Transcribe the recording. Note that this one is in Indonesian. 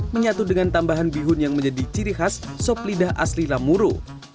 menyatu dengan tambahan bihun yang menjadi ciri khas sop lidah asli lamuru